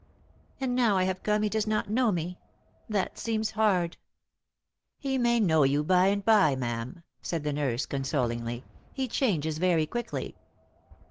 " And now I have come he does not know me. That seema hard." " He may know you by and by, ma'am," said the nurse con solingly. " He changes very quickly."